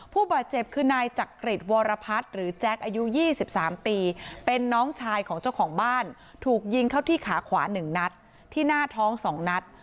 ผู้บาดเจ็บคือนายจักริจวรพัฒน์หรือแจ๊คอายุ๒๓ปีเป็นน้องชายของเจ้าของบ้านถูกยิงเข้าที่ขาขวา๑นัดที่หน้าท้อง๒นัด